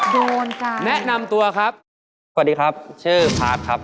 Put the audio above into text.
โดนจ้ะแนะนำตัวครับสวัสดีครับชื่อพาร์ทครับ